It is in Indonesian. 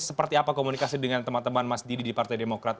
seperti apa komunikasi dengan teman teman mas didi di partai demokrat